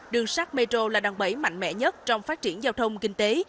đường sát metro là đòn bẫy mạnh mẽ nhất trong phát triển giao thông kinh tế